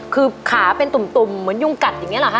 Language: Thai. คือขาเป็นตุ่มเหมือนยุงกัดอย่างนี้เหรอคะ